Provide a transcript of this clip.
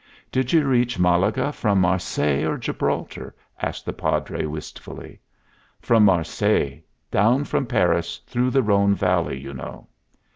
"Did you reach Malaga from Marseilles or Gibraltar?" asked the Padre, wistfully. "From Marseilles. Down from Paris through the Rhone Valley, you know."